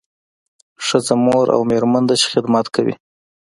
ښځه مور او میرمن ده چې خدمت کوي